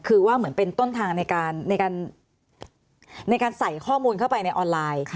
คือว่าเหมือนเป็นต้นทางในการใส่ข้อมูลเข้าไปในออนไลน์